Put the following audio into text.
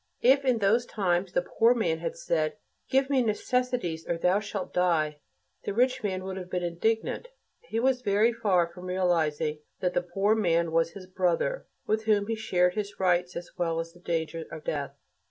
If, in those times, the poor man had said, "Give me necessities, or thou shalt die," the rich man would have been indignant. He was very far from realizing that the poor man was his brother, with whom he shared his rights, as well as the danger of death.